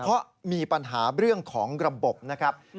เพราะมีปัญหาเรื่องของระบบนะครับ